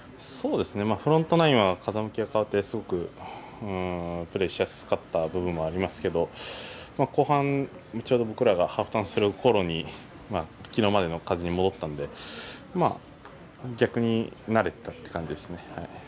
フロントナインは風向きが変わってすごくプレーしやすかった部分もありますけど後半、ちょうど僕らがハーフターンする頃に昨日までの風に戻ったので逆に慣れていたという感じですね。